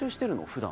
普段。